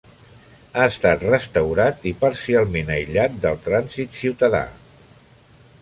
Ha estat restaurat i parcialment aïllat del trànsit ciutadà.